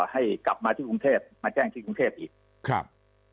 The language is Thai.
ให้กลับมาที่กรุงเทพมาแจ้งที่กรุงเทพอีกครับ